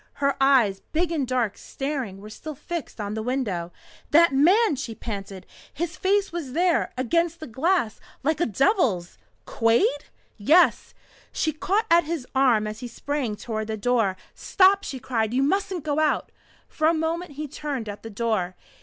Her eyes, big and dark and staring, were still fixed on the window. "That man!" she panted. "His face was there against the glass like a devil's!" "Quade?" "Yes." She caught at his arm as he sprang toward the door. "Stop!" she cried. "You mustn't go out " For a moment he turned at the door.